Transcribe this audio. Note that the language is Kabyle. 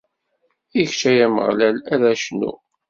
I kečč, ay Ameɣlal, ara cnuɣ!